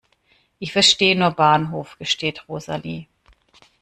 "Ich verstehe nur Bahnhof", gesteht Rosalie.